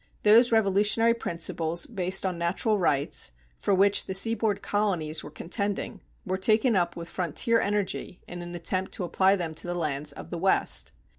Those revolutionary principles based on natural rights, for which the seaboard colonies were contending, were taken up with frontier energy in an attempt to apply them to the lands of the West.